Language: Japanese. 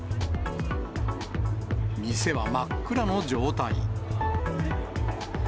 店は真っ暗の状態。